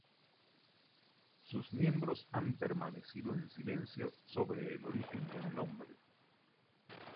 Sus miembros han permanecido en silencio sobre el origen del nombre.